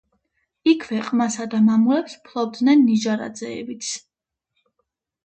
იქვე ყმასა და მამულებს ფლობდნენ ნიჟარაძეებიც